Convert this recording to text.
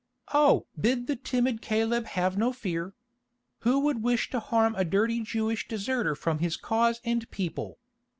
"Oh! bid the timid Caleb have no fear. Who would wish to harm a dirty Jewish deserter from his cause and people?